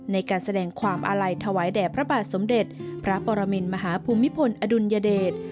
ในการแสดงความอาลัยถวายแด่พระบาทสมเด็จพระปรมินมหาภูมิพลอดุลยเดช